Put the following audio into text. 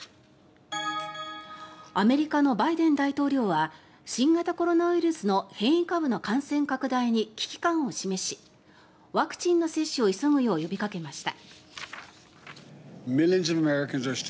アメリカのバイデン大統領は新型コロナウイルスの変異株の感染拡大に危機感を示しワクチンの接種を急ぐよう呼びかけました。